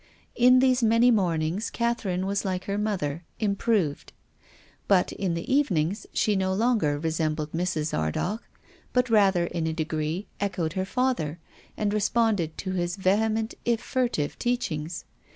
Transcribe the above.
In these many mornings Catherine was like her mother — improved. But in the evenings she no longer resembled Mrs. Ardagh, but rather, in a degree, echoed licr father, and responded to his vehement, if furtive, teachings.